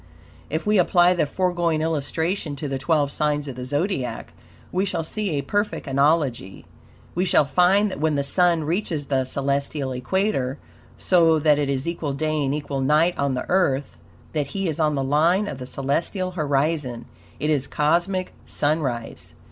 If we apply the foregoing illustration to the twelve signs of the Zodiac, we shall see a perfect analogy. We shall find that when the Sun reaches the celestial equator, so that it is equal day and equal night on the Earth, that he is on the line of the celestial horizon; it is cosmic sunrise.